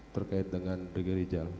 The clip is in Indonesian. terkait dengan regi rijal